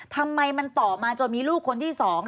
ทำไมมันต่อมาจนมีลูกคนที่๒